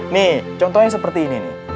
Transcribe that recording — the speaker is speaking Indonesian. nih contohnya seperti ini nih